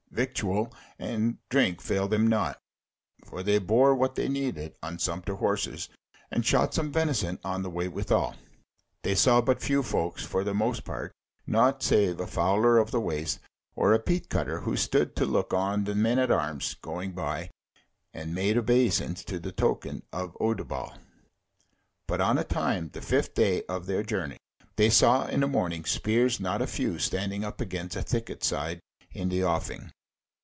Victual and drink failed them not, for they bore what they needed on sumpter horses, and shot some venison on the way withal. They saw but few folk; for the most part naught save a fowler of the waste, or a peat cutter, who stood to look on the men at arms going by, and made obeisance to the token of Utterbol. But on a time, the fifth day of their journey, they saw, in the morning, spears not a few standing up against a thicket side in the offing.